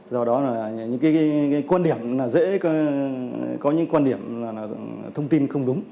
do đó là những quan điểm dễ có những quan điểm thông tin không đúng